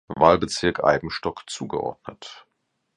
Wahlbezirk Eibenstock zugeordnet.